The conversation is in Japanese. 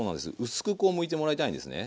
薄くこうむいてもらいたいんですね。